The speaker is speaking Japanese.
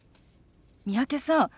三宅さん